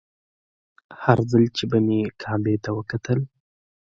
هر ځل چې به مې کعبې ته وکتل.